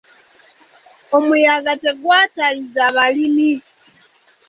Omuyaga tegwatalizza balimi.